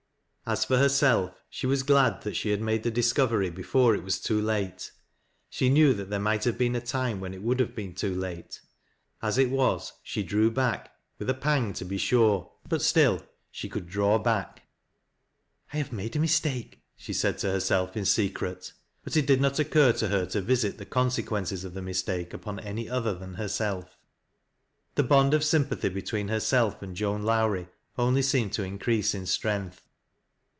As for herself, she was glad that she had made the discovery before it was too late. She knew that there might have been a time when it would have been too late. As it was, she drew back, — ^with a pang, to be sure ; but gtill she could draw back, " I have made a mistake," she said to herself in seci el ; il2 THAT LASS CP LOWBIETS. but it did not occur to her to visit tlie coTi8equen3es of tht mistake upon_aiiy other than herself. The bond of sympathy between herself and Joan Lowiie ivnly seemed to increase in strength.